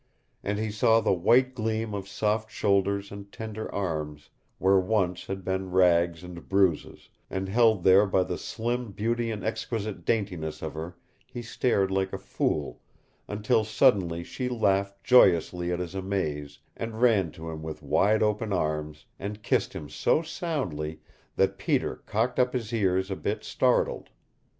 And he saw the white gleam of soft shoulders and tender arms where once had been rags and bruises, and held there by the slim beauty and exquisite daintiness of her he stared like a fool, until suddenly she laughed joyously at his amaze, and ran to him with wide open arms, and kissed him so soundly that Peter cocked up his ears a bit startled.